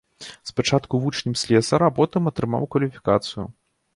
Спачатку вучнем слесара, а потым атрымаў кваліфікацыю.